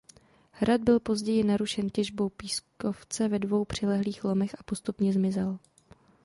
Hrad byl později narušen těžbou pískovce ve dvou přilehlých lomech a postupně zmizel.